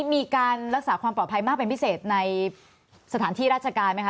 มีการรักษาความปลอดภัยมากเป็นพิเศษในสถานที่ราชการไหมคะ